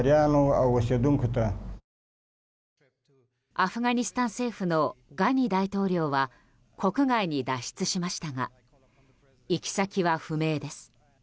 アフガニスタン政府のガニ大統領は国外に脱出しましたが行き先は不明です。